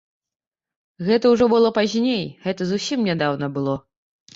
Гэта ўжо было пазней, гэта зусім нядаўна было.